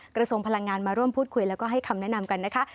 กระทรวงพลังงานมาร่วมพูดคุยแล้วก็ให้คำแนะนำกันนะคะ